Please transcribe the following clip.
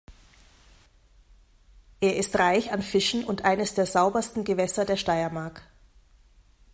Er ist reich an Fischen und eines der saubersten Gewässer der Steiermark.